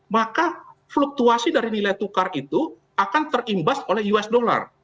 maka fluktuasi dari nilai tukar itu akan terimbas oleh us dollar